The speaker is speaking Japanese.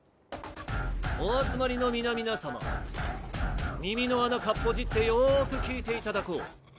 お集まりの皆々様耳の穴かっぽじってよく聞いていただこう。